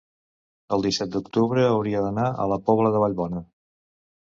El disset d'octubre hauria d'anar a la Pobla de Vallbona.